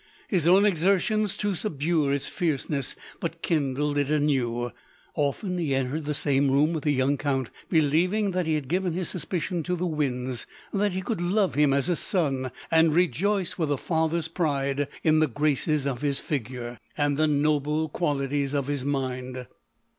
His own exertions to subdue its fierce ness but kindled it anew. Often he entered the same room with the young Count, believing that he had given his suspicions to the winds — that he could love him as a son, and rejoice with a father's pride in the graces of his figure LODORE. 1G5 and the noble qualities of his mind.